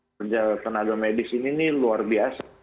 penjaga medis ini luar biasa